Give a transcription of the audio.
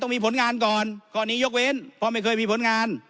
มีผลงานก่อนข้อนี้ยกเว้นเพราะไม่เคยมีผลงาน